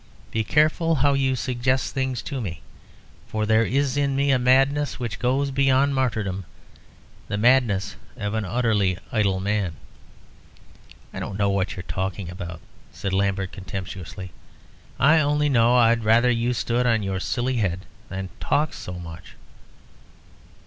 Be careful how you suggest things to me. For there is in me a madness which goes beyond martyrdom, the madness of an utterly idle man." "I don't know what you are talking about," said Lambert, contemptuously. "I only know I'd rather you stood on your silly head, than talked so much."